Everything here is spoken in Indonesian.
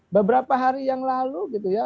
beberapa hari yang lalu gitu ya